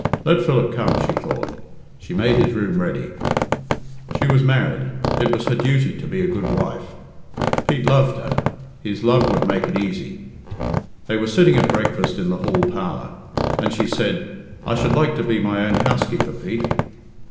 "Let Philip come," she thought. She made his room ready. She was married. It was her duty to be a good wife. Pete loved her his love would make it easy. They were sitting at breakfast in the hall parlour, and she said, "I should like to be my own housekeeper, Pete."